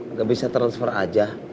nggak bisa transfer aja